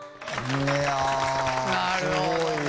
なるほどね。